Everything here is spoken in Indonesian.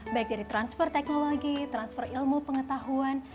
baik dari transfer teknologi transfer ilmu pengetahuan